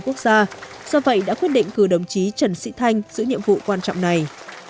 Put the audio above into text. quốc gia do vậy đã quyết định cử đồng chí trần sĩ thanh giữ nhiệm vụ quan trọng này